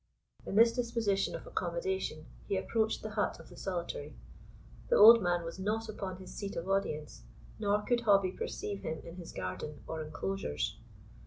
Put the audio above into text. In this disposition of accommodation he approached the hut of the Solitary. The old man was not upon his seat of audience, nor could Hobbie perceive him in his garden, or enclosures.